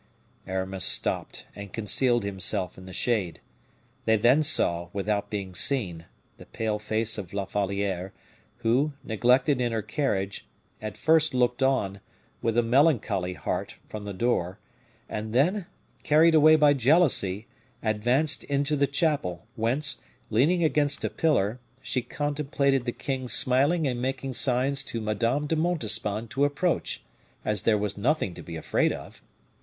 Aramis stopped, and concealed himself in the shade. They then saw, without being seen, the pale face of La Valliere, who, neglected in her carriage, at first looked on, with a melancholy heart, from the door, and then, carried away by jealousy, advanced into the chapel, whence, leaning against a pillar, she contemplated the king smiling and making signs to Madame de Montespan to approach, as there was nothing to be afraid of.